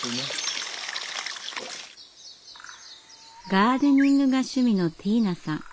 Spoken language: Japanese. ガーデニングが趣味のティーナさん。